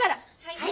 はい。